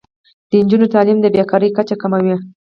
د نجونو تعلیم د بې کارۍ کچه کموي.